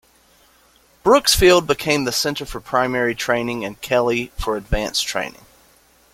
Brooks Field became the center for primary training and Kelly for advanced training.